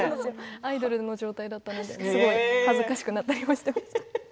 アイドルの状態だったので恥ずかしくなりました。